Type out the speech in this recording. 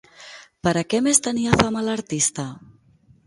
Per a què més tenia fama l'artista?